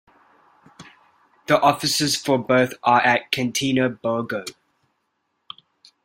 The offices for both are at Catania Borgo.